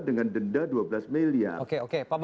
dengan denda dua belas miliar